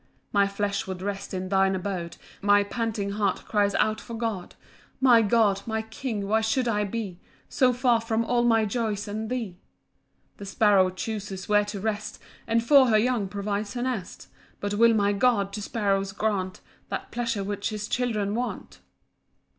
2 My flesh would rest in thine abode, My panting heart cries out for God; My God! my King! why should I be So far from all my joys and thee? 3 The sparrow chuses where to rest, And for her young provides her nest: But will my God to sparrows grant That pleasure which his children want?